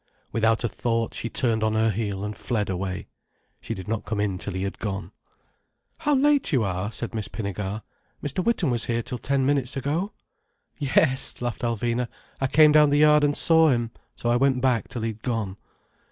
Without a thought, she turned on her heel and fled away. She did not come in till he had gone. "How late you are!" said Miss Pinnegar. "Mr. Witham was here till ten minutes ago." "Yes," laughed Alvina. "I came down the yard and saw him. So I went back till he'd gone."